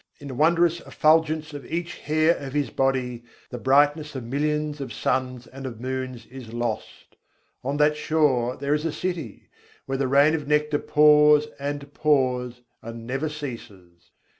In the wondrous effulgence of each hair of His body, the brightness of millions of suns and of moons is lost. On that shore there is a city, where the rain of nectar pours and pours, and never ceases.